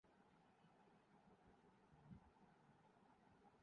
قومی حمیت اور غیرت کی ہمیں فکر ہے۔